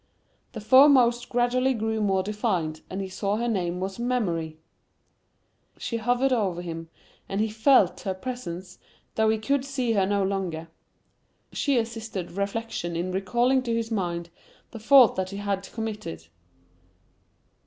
The foremost gradually grew more defined, and he saw her name was Memory. She hovered over him, and he felt her presence, though he could see her no longer. She assisted Reflection in recalling to his mind the fault that he had committed.